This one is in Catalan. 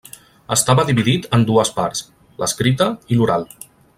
Estava dividit en dues parts: l'escrita i l'oral.